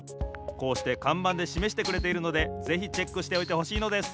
こうしてかんばんでしめしてくれているのでぜひチェックしておいてほしいのです。